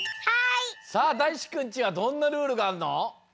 さあだいしくんちはどんなルールがあるの？